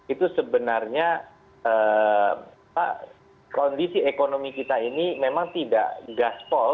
itu sebenarnya kondisi ekonomi kita ini memang tidak gaspol